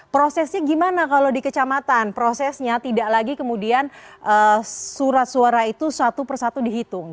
prosesnya gimana kalau di kecamatan prosesnya tidak lagi kemudian surat suara itu satu persatu dihitung